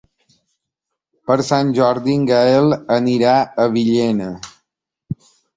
Per Sant Jordi en Gaël anirà a Villena.